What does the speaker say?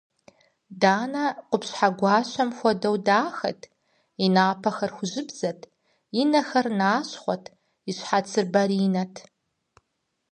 Данэ къупщхьэ гуащэм хуэдэу дахэт: и напэр хужьыбзэт, и нэхэр нащхъуэт, и щхьэцыр баринэт.